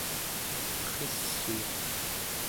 perriss'uuk